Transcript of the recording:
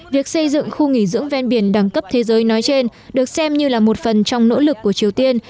việc xây dựng khu nghỉ dưỡng ven biển đẳng cấp thế giới nói trên được xem như là một phần trong nỗ lực của triều tiên